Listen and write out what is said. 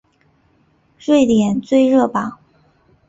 瑞典最热榜。